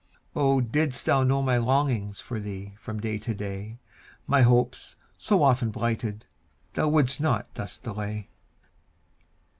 Oh, didst thou know my longings For thee, from day to day, My hopes, so often blighted, Thou wouldst not thus delay!